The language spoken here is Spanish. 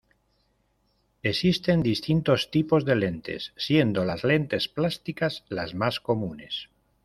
Existen distintos tipos de lentes, siendo las lentes plásticas las más comunes.